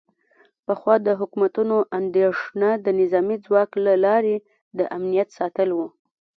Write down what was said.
پخوا د حکومتونو اندیښنه د نظامي ځواک له لارې د امنیت ساتل و